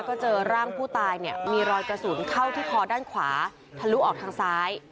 ก็เจอร่างผู้ตายเนี่ยมีรอยกระสุนเข้าที่คอด้านขวาทะลุออกทางซ้าย